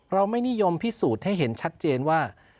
เราไม่นิยมพิสูจน์ให้เห็นชัดเจนว่า